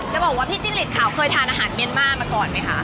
จะบอกว่าพี่จิ้งหลีดขาวเคยทานอาหารเมียนมาร์มาก่อนไหมคะ